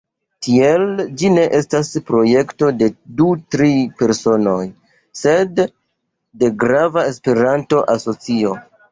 Tiel ĝi ne estas projekto de du-tri personoj, sed de grava Esperanto-asocio.